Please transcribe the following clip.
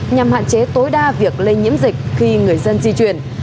nhằm hạn chế tối đa việc lây nhiễm dịch khi người dân di chuyển